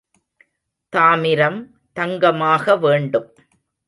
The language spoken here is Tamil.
தாமிரம் தங்கமாக வேண்டும்.